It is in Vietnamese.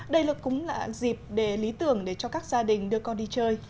đây cũng là dịp để lý tưởng để cho các gia đình đưa con đi chơi